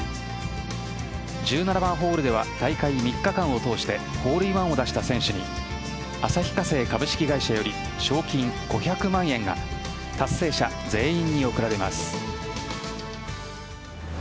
１７番ホールでは大会３日間を通してホールインワンを出した選手に旭化成株式会社より賞金５００万円が達成者全員に贈られます。